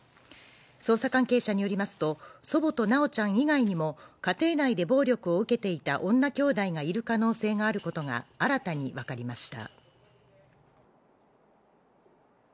捜査関係者によりますと、祖母と修ちゃん以外にも、家庭内で暴力を受けていた女きょうだいがいる可能性があることが新たにわかりました。